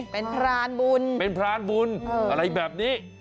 เป็นพรานบุญเป็นพรานบุญอะไรแบบนี้